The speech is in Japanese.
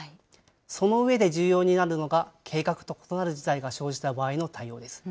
その上で重要になるのが、計画と異なる事態が生じた場合の対応です。